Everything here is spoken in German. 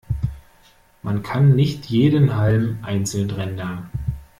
Man kann nicht jeden Halm einzeln rendern.